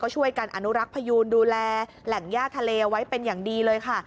ช่วยกันอนุรักษ์พยูนดูแลแหล่งย่าทะเลไว้เป็นอย่างดีเลยค่ะ